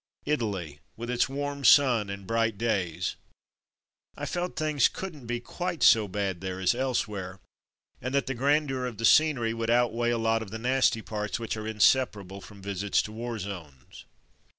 Italy, with its warm sun and bright days ! I felt things couldn't be quite so bad there as elsewhere, and that the grandeur of the scenery would Ordered to Italy 205 outweigh a lot of the nasty parts which are inseparable from visits to war zones.